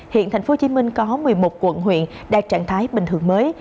hiện tp hcm có một mươi một quận huyện đạt trạng thái bình thường mới